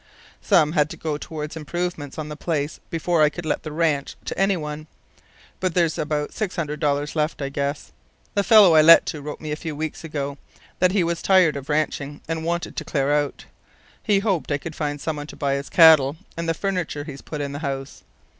"Some had to go toward improvements on the place before I could let the ranch to any one, but there's about six thousand dollars left, I guess. The fellow I let to wrote me a few weeks ago that he was tired of ranching and wanted to clear out. He hoped I could find someone to buy his cattle and the furniture he's put in the house.